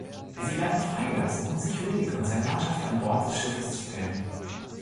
Sie werden freigelassen, um sich Riddick und seine Mannschaft an Bord des Schiffes zu stellen.